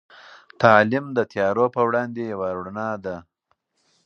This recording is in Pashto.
تعلیم د تيارو په وړاندې یوه رڼا ده.